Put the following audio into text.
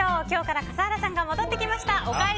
今日から笠原さんが戻ってきました。